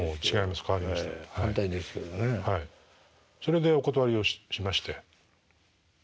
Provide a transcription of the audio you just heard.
それでお断りをしましてまた。